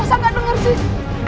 masa gak denger sih